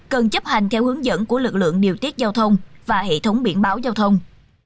cần chấp hành theo hướng dẫn của lực lượng điều tiết giao thông và hệ thống biển báo giao thông